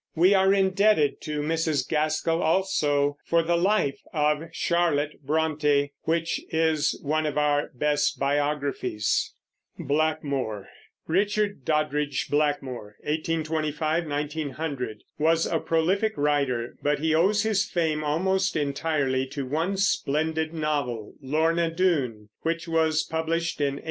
We are indebted to Mrs. Gaskell also for the Life of Charlotte Brontë, which is one of our best biographies. BLACKMORE. Richard Doddridge Blackrhore (1825 1900) was a prolific writer, but he owes his fame almost entirely to one splendid novel, Lorna Doone, which was published in 1869.